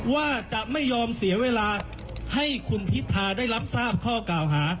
ว่าจะไม่ยอมเสียเวลาให้คุณพิธาได้รับทราบข้อกล่าวหา